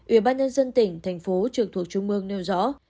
ủy ban nhân dân tỉnh thành phố trực thuộc trung mương nêu rõ